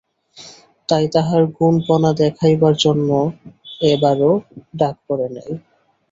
তাই তাহার গুণপনা দেখাইবার জন্য এবারও ডাক পড়ে নাই।